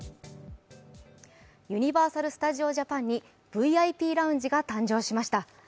ユニバーサル・スタジオ・ジャパンにＶＩＰラウンジが誕生しました。